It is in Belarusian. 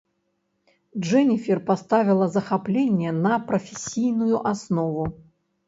Джэніфер паставіла захапленне на прафесійную аснову.